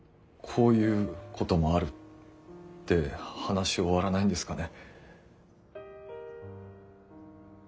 「こういうこともある」って話終わらないんですかね。